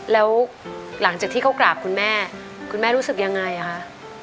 แล้วหลังจากที่เขากราบคุณแม่คุณแม่รู้สึกยังไงคะ